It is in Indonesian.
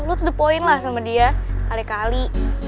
lo tuh the point lah sama dia kali kali